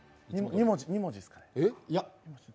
２文字ですかね。